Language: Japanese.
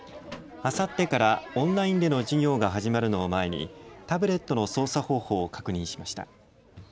あさってからオンラインでの授業が始まるのを前にタブレットの操作方法を確認しました。